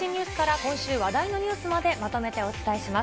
今週、話題のニュースまでまとめてお伝えします。